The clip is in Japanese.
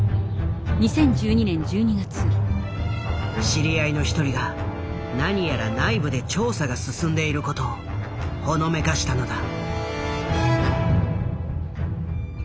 知り合いの一人が何やら内部で調査が進んでいることをほのめかしたのだ。